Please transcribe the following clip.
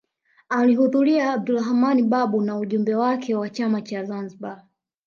Alihudhuria Abdulrahman Babu na ujumbe wake wa chama cha Zanzibar